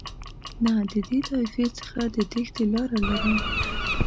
نه د دې طایفې څخه د تېښتې لاره لرم.